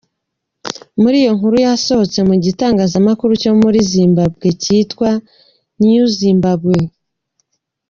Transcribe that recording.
Muri iyo nkuru yasohotse mu gitangazamakuru cyo muri Zimbabwe kitwa "Newzimbabwe.